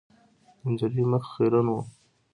د نجلۍ مخ خیرن و .